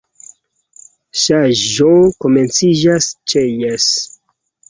Ŝanĝo komenciĝas ĉe Jes!